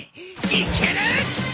いける！